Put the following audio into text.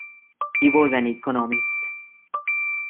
He was an economist.